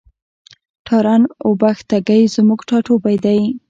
تارڼ اوبښتکۍ زموږ ټاټوبی دی.